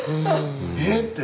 えっ⁉って。